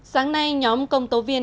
sáng nay nhóm công tố viên